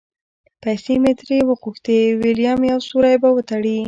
پیسې مې ترې وغوښتې؛ وېلم یو سوری به وتړي.